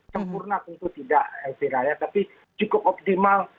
kemurnah tentu tidak fira ya tapi cukup optimal